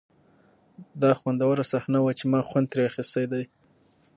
دا خوندوره صحنه وه چې ما خوند ترې اخیستی دی